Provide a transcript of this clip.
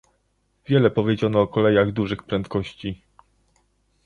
Wiele powiedziano o kolejach dużych prędkości